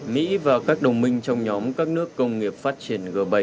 mỹ và các đồng minh trong nhóm các nước công nghiệp phát triển g bảy